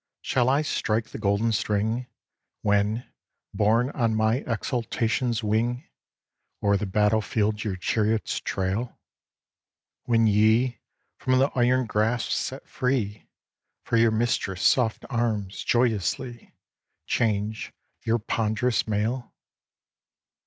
shall I strike the golden string, When, borne on by exultation's wing, O'er the battle field your chariots trail? When ye, from the iron grasp set free, For your mistress' soft arms, joyously Change your pond'rous mail?